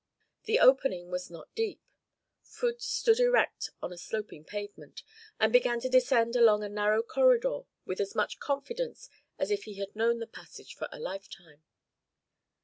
The opening was not deep. Phut stood erect on a sloping pavement, and began to descend along a narrow corridor with as much confidence as if he had known the passage for a lifetime.